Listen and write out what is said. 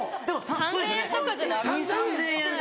３０００円とかじゃない。